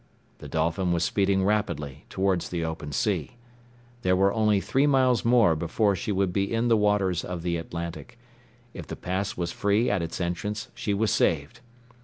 The Dolphin was speeding rapidly towards the open sea. There were only three miles more before she would be in the waters of the Atlantic; if the pass was free at its entrance, she was saved.